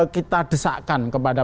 kita desakan kepada